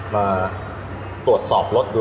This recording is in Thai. มาตรวจสอบรถดู